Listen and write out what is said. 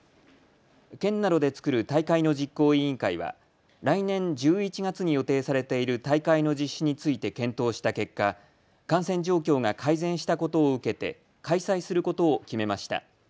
県などで作る大会の実行委員会は来年１１月に予定されている大会の実施について検討した結果、感染状況が改善したことを受けて開催することを決めました。